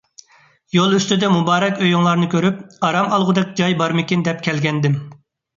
يول ئۈستىدە مۇبارەك ئۆيۈڭلارنى كۆرۈپ، ئارام ئالغۇدەك جاي بارمىكىن دەپ كەلگەنىدىم.